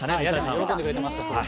喜んでくれてました、すごく。